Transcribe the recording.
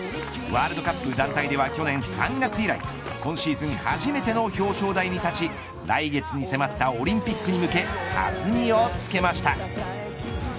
ワールドカップ団体では去年３月以来。今シーズン初めての表彰台に立ち来月に迫ったオリンピックに向け弾みをつけました。